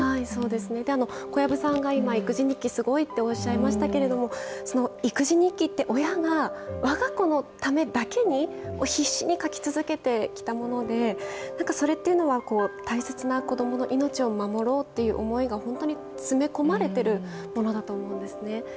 そうですね、でも小籔さんが今、育児日記、すごいっておっしゃいましたけれども、育児日記って、親がわが子のためだけに、必死に書き続けてきたもので、なんかそれっていうのは、大切な子どもの命を守ろうっていう思いが、本当に詰め込まれてるものだと思うんですね。